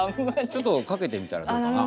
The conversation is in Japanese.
ちょっとかけてみたらどうかな。